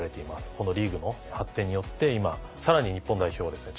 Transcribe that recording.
このリーグの発展によって今さらに日本代表はですね